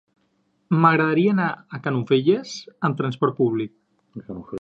M'agradaria anar a Canovelles amb trasport públic.